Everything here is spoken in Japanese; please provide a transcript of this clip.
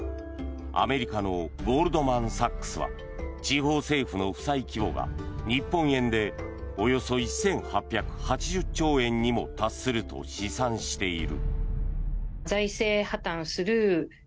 アメリカのゴールドマン・サックスは地方政府の負債規模が日本円でおよそ１８８０兆円にも達すると試算している。